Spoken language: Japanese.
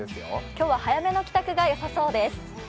今日は早めの帰宅がよさそうです。